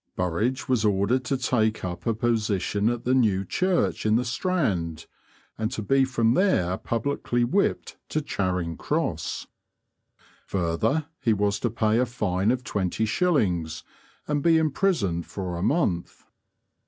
Burridge was ordered to take up a position at the New Church in the Strand and to be from there publicly whipped to Charing Cross. Further, he was to pay a fine of twenty shillings and be imprisoned for a month.